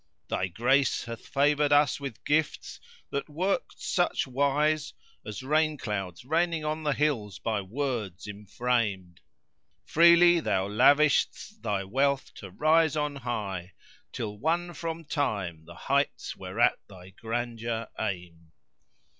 Thy grace hath favoured us with gifts that worked such wise * As rain clouds raining on the hills by wolds enframed: Freely thou lavishedst thy wealth to rise on high * Till won from Time the heights whereat thy grandeur aimed.